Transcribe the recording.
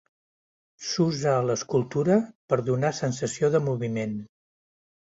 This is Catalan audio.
S'usa a l'escultura per donar sensació de moviment.